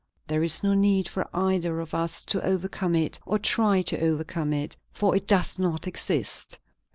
There is no need for either of us to overcome it or try to overcome it, for it does not exist.